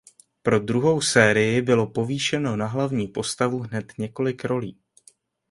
Pro druhou sérii bylo povýšeno na hlavní postavu hned několik rolí.